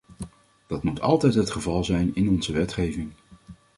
Dat moet altijd het geval zijn in onze wetgeving.